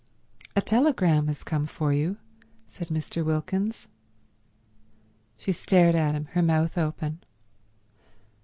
"A telegram has come for you," said Mr. Wilkins. She stared at him, her mouth open.